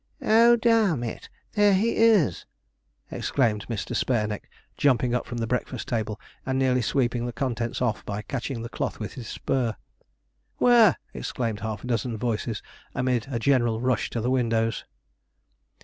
'Oh, d n it, there he is!' exclaimed Mr. Spareneck, jumping up from the breakfast table, and nearly sweeping the contents off by catching the cloth with his spur. 'Where?' exclaimed half a dozen voices, amid a general rush to the windows.